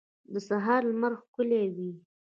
د سهار لمر ښکلی وي.